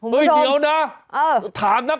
ภาพนี้เป็นหน้า